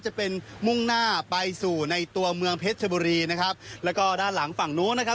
จะเป็นมุ่งหน้าไปสู่ในตัวเมืองเพชรชบุรีนะครับแล้วก็ด้านหลังฝั่งนู้นนะครับ